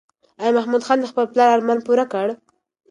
ایا محمود خان د خپل پلار ارمان پوره کړ؟